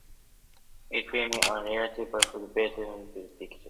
Its films are released by fellow Viacom division Paramount Pictures.